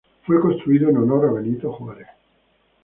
Fue construido en honor a Benito Juárez.